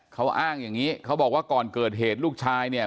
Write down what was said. เขาอ้างอย่างนี้เขาบอกว่าก่อนเกิดเหตุลูกชายเนี่ย